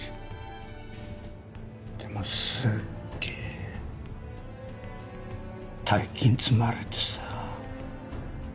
でもすっげえ大金積まれてさ。